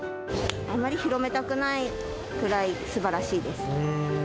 あまり広めたくないくらいすばらしいです。